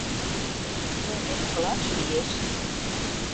Но ошкылаш лиеш.